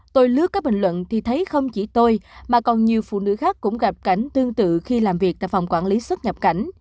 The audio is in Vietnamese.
tôi lướt các bình luận thì thấy không chỉ tôi mà còn nhiều phụ nữ khác cũng gặp cảnh tương tự khi làm việc tại phòng quản lý xuất nhập cảnh